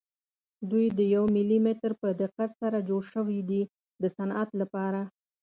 دوی د یو ملي متر په دقت سره جوړ شوي دي د صنعت لپاره.